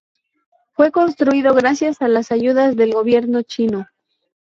Fue construido gracias a las ayudas del gobierno chino.